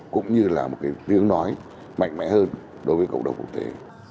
cũng như là một cái tiếng nói mạnh mẽ hơn đối với cộng đồng quốc tế